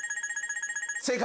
正解！